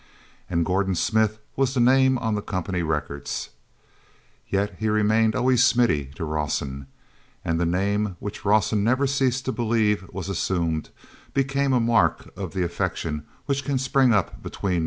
And Gordon Smith was the name on the company records. Yet he remained always "Smithy" to Rawson, and the name, which Rawson never ceased to believe was assumed, became a mark of the affection which can spring up between man and man.